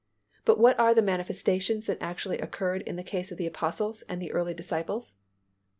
But what are the manifestations that actually occurred in the case of the Apostles and the early disciples?